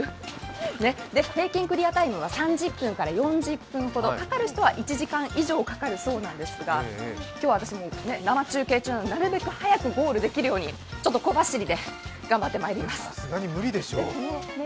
平均クリアタイムは３０分から４０分ほどかかる人は１時間以上かかるそうなんですが、今日は私、生中継中なので、なるべく早くゴールできるようにさすがに無理でしょ。